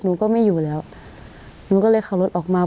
หนูก็ไม่อยู่แล้วหนูก็เลยขับรถออกมา